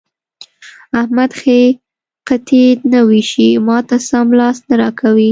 احمد ښې قطعې نه وېشي؛ ما ته سم لاس نه راکوي.